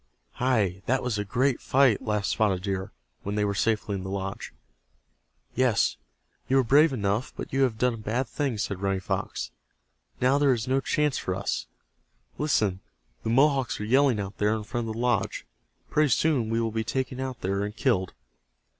"Hi, that was a great fight," laughed Spotted Deer, when they were safely in the lodge. "Yes, you were brave enough but you have done a bad thing," said Running Fox. "Now there is no chance for us. Listen, the Mohawks are yelling out there in front of the lodge. Pretty soon we will be taken out there and killed."